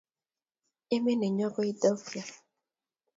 Emet nenyonet ko Ethiopia